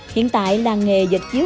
hiện tại làng nghề dịch chiếu